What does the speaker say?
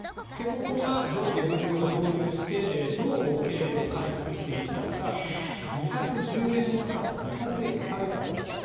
ここが上下分離を導入してどう経営を回復していったのか２１０円区間を２００円に下げたそうです。